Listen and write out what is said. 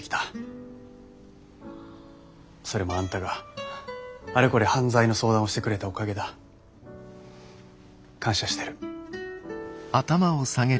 それもあんたがあれこれ犯罪の相談をしてくれたおかげだ。感謝してる。